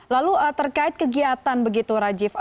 lalu terkait kegiatan begitu rajif